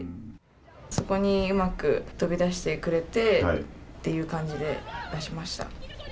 そこにうまく飛び出してくれてという感じで出しました。